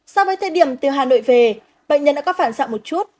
so với thời điểm từ hà nội về bệnh nhân đã có phản xạ một chút